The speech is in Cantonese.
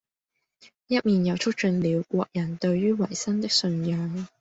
一面又促進了國人對于維新的信仰。